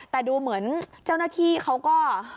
แต่ดูเหมือนเจ้าหน้าที่เขาก็